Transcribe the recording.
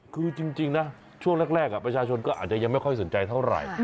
คือจริงนะช่วงแรกประชาชนก็อาจจะยังไม่ค่อยสนใจเท่าไหร่